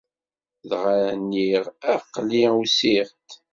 Dɣa nniɣ: Aql-i usiɣ-d.